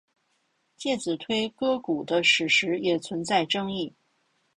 介子推割股的史实也存在争议。